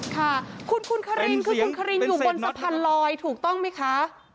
คุณคุณคลินคุณคลินอยู่บนสะพานลอยถูกต้องไหมคะ